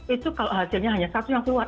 itu kalau hasilnya hanya satu yang keluar